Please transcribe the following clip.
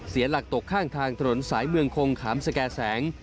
เสียหลักตกข้างทางถนนสายเมืองคงขามสแก่แสง